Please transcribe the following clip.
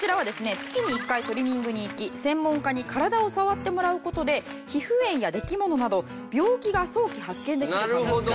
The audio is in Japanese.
月に１回トリミングに行き専門家に体を触ってもらう事で皮膚炎やできものなど病気が早期発見できる可能性も。